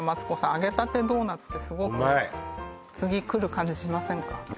揚げたてドーナツってすごく次くる感じしませんか？